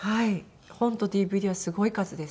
本とＤＶＤはすごい数です。